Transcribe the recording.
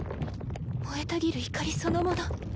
燃えたぎる怒りそのもの。